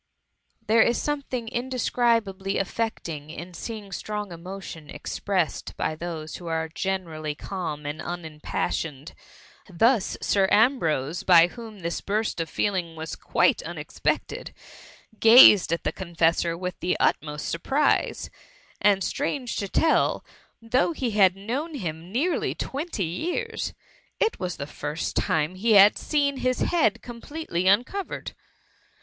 There is something indescribably afiecting in fieeing strong emotion expressed by those who are generally calm and unimpassioned ; tiius TH£ MUMMT. 379 Sir Ambrose, by whom this burst of Ibeling was quite unexpected, gaaed at the canfe»8or with the utmost surprise, and strange to tell, thou^ he had known him nearly twenty years, it was the first time he had seen his head completely UHOovered.